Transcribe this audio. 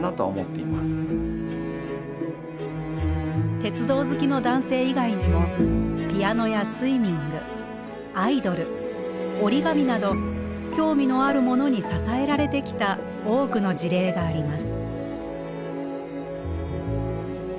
鉄道好きの男性以外にもピアノやスイミングアイドル折り紙など興味のあるものに支えられてきた多くの事例があります。